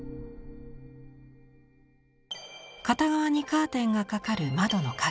片側にカーテンが掛かる窓の影。